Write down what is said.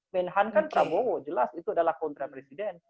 menhan kan prabowo jelas itu adalah kontra presiden